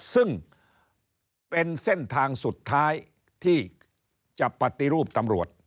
ซึ่งเป็นเส้นทางสุดท้ายที่จะปฏิรูปตำรวจ